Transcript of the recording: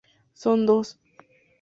Son dos.